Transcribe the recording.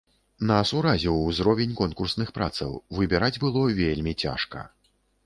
Нас уразіў узровень конкурсных працаў, выбіраць было вельмі цяжка.